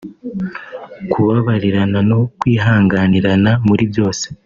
kubabarirana no kwihanganirana muri byose